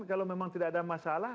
kalau memang tidak ada masalah